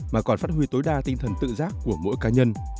mà còn phát huy tối đa tinh thần tự giác của mỗi cá nhân